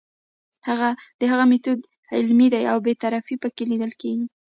د هغه میتود علمي دی او بې طرفي پکې لیدل کیږي.